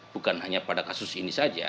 bukan hanya pada kasus ini saja